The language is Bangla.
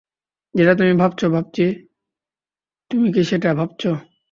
যেটা তুমি ভাবছো ভাবছি তুমি কি সেটা ভাবছো?